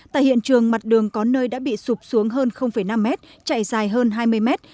tại hiện trường mặt đường có nơi đã bị sụp xuống hơn năm mét chạy dài hơn hai mươi mét